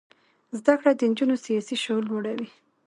زده کړه د نجونو سیاسي شعور لوړوي.